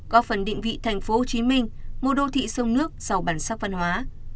có phần định vị thành phố hồ chí minh một đô thị sông nước giàu bản sắc văn hóa